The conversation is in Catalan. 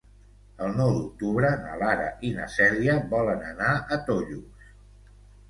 El nou d'octubre na Lara i na Cèlia volen anar a Tollos.